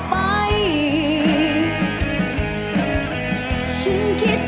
ไม่ต้องการ